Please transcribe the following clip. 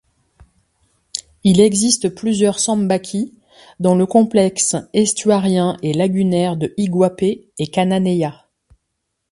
Il existe plusieurs sambaquis dans le complexe estuarien et lagunaire de Iguape et Cananeia.